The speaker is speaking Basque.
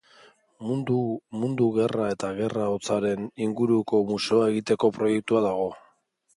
Mundu Gerra eta Gerra Hotzaren inguruko museoa egiteko proiektua dago.